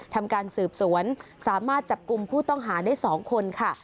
ทำการสืบสวนสามารถจับกลุ่มผู้ต้องหาได้๒คนค่ะ